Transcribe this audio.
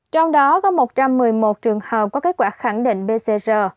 trong đó có một trăm một mươi một trường hợp có kết quả khẳng định pcr